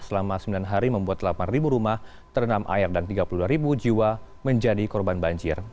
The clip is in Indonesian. selama sembilan hari membuat delapan rumah terendam air dan tiga puluh dua ribu jiwa menjadi korban banjir